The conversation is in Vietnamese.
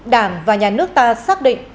đảng và nhà nước ta xác định